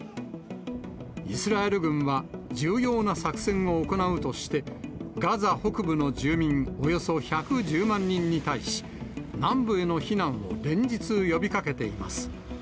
イスラエル軍は重要な作戦を行うとして、ガザ北部の住民およそ１１０万人に対し、南部への避難を連日、呼びかけています。